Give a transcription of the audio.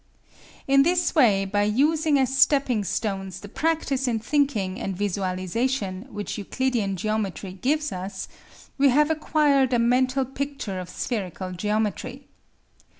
In this way, by using as stepping stones the practice in thinking and visualisation which Euclidean geometry gives us, we have acquired a mental picture of spherical geometry.